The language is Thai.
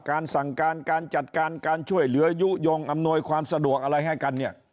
การสั่งการการจัดการการช่วยเหลือยุโยงอำนวยความสะดวกอะไรให้กันเนี่ย